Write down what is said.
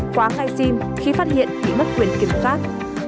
khóa ngay sim khi phát hiện bị mất quyền kiểm soát